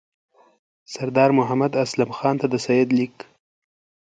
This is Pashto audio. سردار محمد اسلم خان ته د سید لیک.